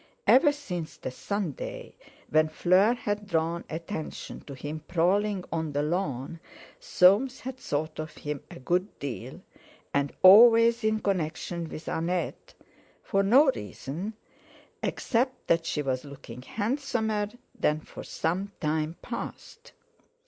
Ever since the Sunday when Fleur had drawn attention to him prowling on the lawn, Soames had thought of him a good deal, and always in connection with Annette, for no reason, except that she was looking handsomer than for some time past.